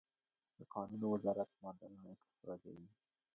د کانونو وزارت معدنونه استخراجوي